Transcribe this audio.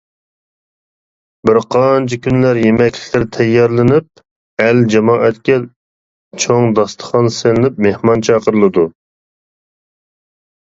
بىرقانچە كۈنلەر يېمەكلىكلەر تەييارلىنىپ ، ئەل جامائەتكە چوڭ داستىخان سېلىنىپ مېھمان چاقىرىلىدۇ.